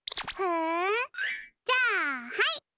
ふんじゃあはい！